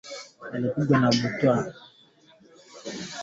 Takriban watu elfu ishirini na nane hufa kila mwaka nchini Uganda